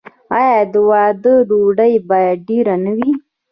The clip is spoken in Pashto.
آیا د واده ډوډۍ باید ډیره نه وي؟